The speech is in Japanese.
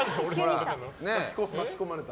巻き込まれた。